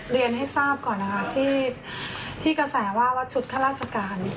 เรียนให้ทราบก่อนนะครับที่กระแสว่าว่าชุดข้าราชการ